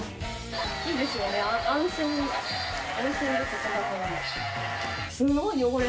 いいですよね安心です。